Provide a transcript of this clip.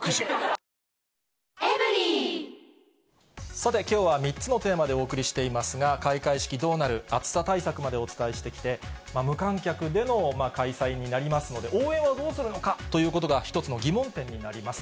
さて、きょうは３つのテーマでお送りしていますが、開会式どうなる、暑さ対策までお伝えしてきて、無観客での開催になりますので、応援はどうするのかということが、一つの疑問点になります。